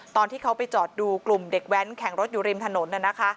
ตอนที่เขาไปจอดดูกลุ่มเด็กแว้นแข่งรถอยู่ริมถนน